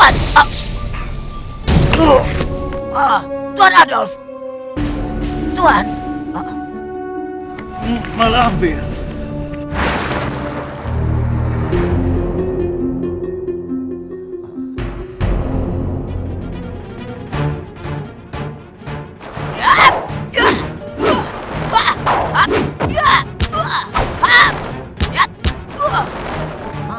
aku akan menjagamu